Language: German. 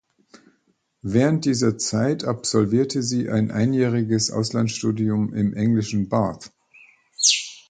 Während dieser Zeit absolvierte sie ein einjähriges Auslandsstudium im englischen Bath.